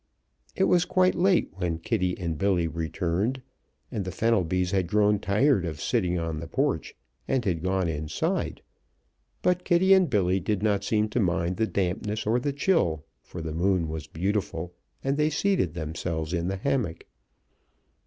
It was quite late when Kitty and Billy returned, and the Fenelbys had grown tired of sitting on the porch and had gone inside, but Kitty and Billy did not seem to mind the dampness or the chill for the moon was beautiful, and they seated themselves in the hammock.